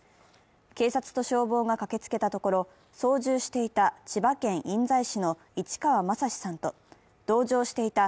警察と消防が駆けつけたところ、操縦していた千葉県印西市の市川正史さんと同乗していた